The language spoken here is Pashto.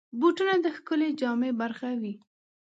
بوټونه د ښکلې جامې برخه وي.